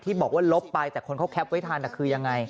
ที่บอกว่าลบไปแต่ทำไปคนเขาแคปไว้ทันแต่คือยังไง